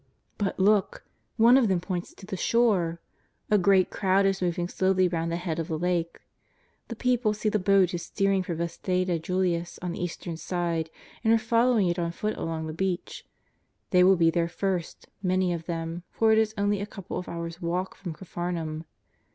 But look ! One of them points to the shore. A great crowd is moving slowly round the head of the Lake. The people see the boat is steering for Bethsaida Julius on the eastern side, and are following it on foot along the beach. They will be there first, many of them, for it is only a couple of hours' walk from Capharnaum.